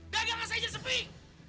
gagang aja sepi